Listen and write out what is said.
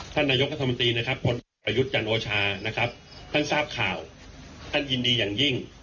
ท่านนายกรัฐมนตรีนะครับผลเอกประยุทธ์จันโอชานะครับท่านทราบข่าวท่านยินดีอย่างยิ่ง